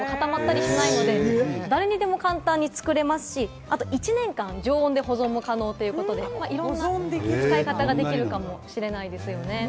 電子レンジや湯せんで５分くらい温めるだけで誰にでも簡単に作れますし、１年間常温で保存も可能ということで、いろんな使い方ができるかもしれないですよね。